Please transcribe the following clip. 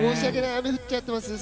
雨降っちゃってますか。